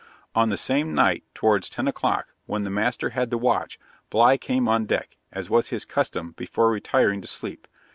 On the same night, towards ten o'clock, when the master had the watch, Bligh came on deck, as was his custom, before retiring to sleep.